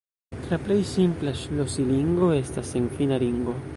La plej simpla ŝlosilingo estas senfina ringo.